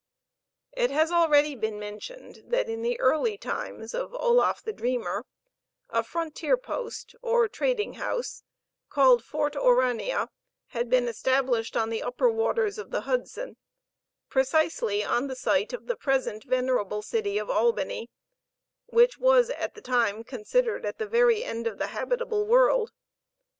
It has already been mentioned that, in the early times of Oloffe the Dreamer, a frontier post, or trading house, called Fort Aurania, had been established on the upper waters of the Hudson, precisely on the site of the present venerable city of Albany, which was at time considered at the very end of the habitable world.